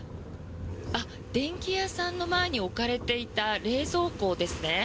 電気屋さんの前に置かれていた冷蔵庫ですね。